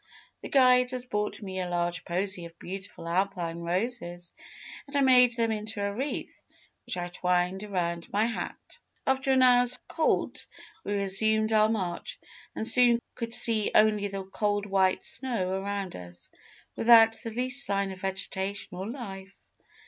"The guides had brought me a large posy of beautiful Alpine roses, and I made them into a wreath, which I twined around my hat. "After an hour's halt, we resumed our march, and soon could see only the cold white snow around us, without the least sign of vegetation or life.